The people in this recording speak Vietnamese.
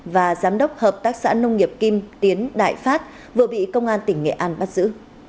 và giám đốc hợp tác xã nông nghiệp kim tiến đại phát vừa bị công an tỉnh nghệ an bắt giữ